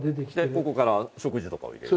ここから食事とかを入れる。